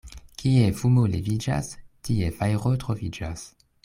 Kie fumo leviĝas, tie fajro troviĝas.